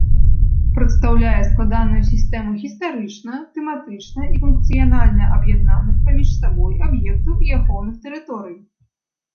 Прадстаўляе складаную сістэму гістарычна, тэматычна і функцыянальна аб'яднаных паміж сабой аб'ектаў і ахоўных тэрыторый.